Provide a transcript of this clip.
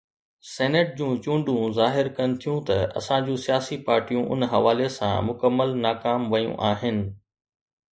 Senate جون چونڊون ظاهر ڪن ٿيون ته اسان جون سياسي پارٽيون ان حوالي سان مڪمل ناڪام ويون آهن.